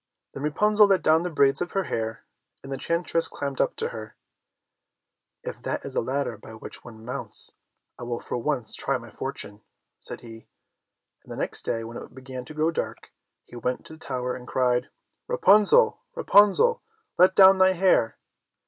Then Rapunzel let down the braids of her hair, and the enchantress climbed up to her. "If that is the ladder by which one mounts, I will for once try my fortune," said he, and the next day when it began to grow dark, he went to the tower and cried, "Rapunzel, Rapunzel, Let down thy hair."